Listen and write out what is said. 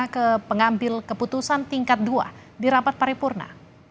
ke pengambil keputusan tingkat dua di rapat paripurna